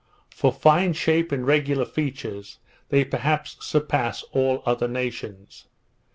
For fine shape and regular features, they perhaps surpass all other nations.